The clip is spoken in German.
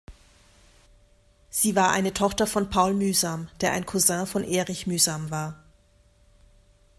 Sie war eine Tochter von Paul Mühsam, der ein Cousin von Erich Mühsam war.